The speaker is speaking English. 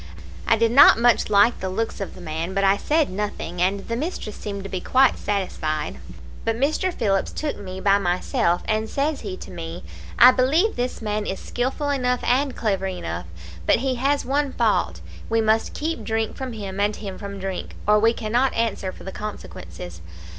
I did not much like the looks of the man, but I said nothing, and the mistress seemed quite satisfied. "But Mr. Phillips took me by myself, and says he to me, 'I believe this man is skilful enough and clever enough, but he has one fault we must keep drink from him and him from drink, or we cannot answer for the consequences.